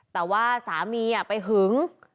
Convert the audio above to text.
แต่ว่าสามีไปหึง